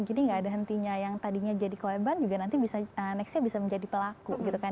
jadi tidak ada hentinya yang tadinya jadi korban juga nanti bisa aneksnya bisa menjadi pelaku